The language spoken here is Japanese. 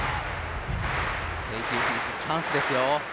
ケイティ選手、チャンスですよ。